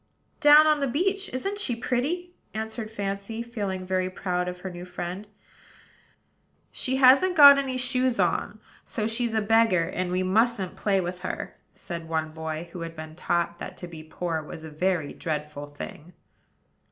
"Down on the beach. Isn't she pretty?" answered Fancy, feeling very proud of her new friend. "She hasn't got any shoes on; so she's a beggar, and we mustn't play with her," said one boy, who had been taught that to be poor was a very dreadful thing.